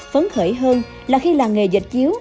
phấn khởi hơn là khi làng nghề dịch chiếu